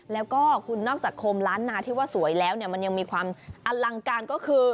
แล้วก็คุณนอกจากโคมล้านนาที่ว่าสวยแล้วเนี่ยมันยังมีความอลังการก็คือ